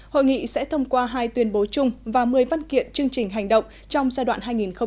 hội nghị sẽ thông qua hai tuyên bố chung và một mươi văn kiện chương trình hành động trong giai đoạn hai nghìn hai mươi hai nghìn hai mươi năm